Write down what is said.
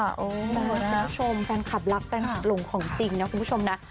ขอบคุณค่ะคุณผู้ชมแฟนคับรักแฟนคับลงของจริงนะคุณผู้ชมนะ